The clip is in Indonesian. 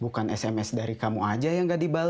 bukan sms dari kamu aja yang nggak dibantuin